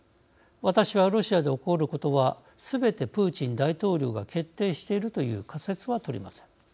私は、ロシアで起こることはすべてプーチン大統領が決定しているという仮説は取りません。